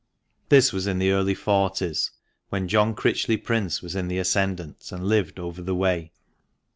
This was in the early forties, when John Critchley Prince was in the ascendant, and lived over the way.